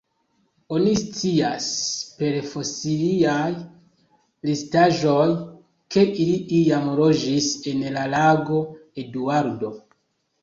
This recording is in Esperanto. Oni scias per fosiliaj restaĵoj ke ili iam loĝis en la Lago Eduardo.